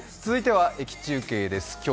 続いては駅中継です。